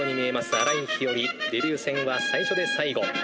新井日和デビュー戦は最初で最後。